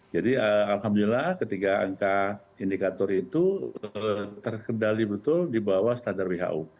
jadi alhamdulillah ketiga angka indikator itu terkendali betul di bawah standar who